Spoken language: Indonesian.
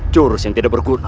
curus yang tidak berguna